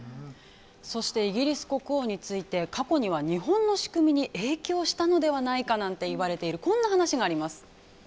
そしてイギリス国王について過去には日本の仕組みに影響したのではないかなんていわれているこんな話があります。